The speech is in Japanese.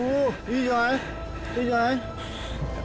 いいじゃない？